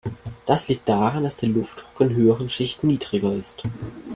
Das liegt daran, dass der Luftdruck in höheren Schichten niedriger ist.